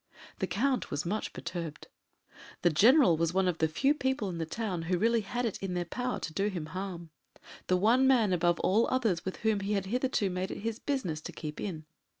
The Count was much perturbed. The General was one of the few people in the town who really had it in their power to do him harm the one man above all others with whom he had hitherto made it his business to keep in.